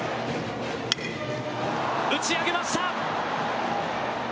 打ち上げました。